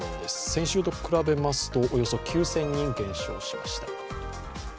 先週と比べますとおよそ９０００人減少しました。